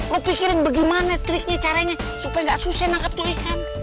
lu pikirin bagaimana triknya caranya supaya nggak susah nangkep tuh ikan